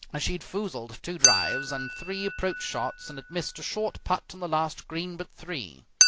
She had foozled two drives and three approach shots and had missed a short putt on the last green but three.